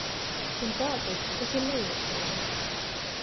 Un tātad tas ir neiespējami.